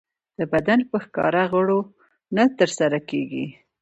د بدن په ښکاره غړو نه ترسره کېږي.